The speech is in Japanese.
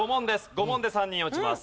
５問で３人落ちます。